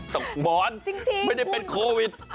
หมอนไม่ได้เป็นโควิด